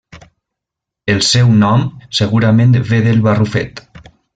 El seu nom segurament ve del barrufet.